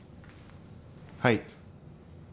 はい。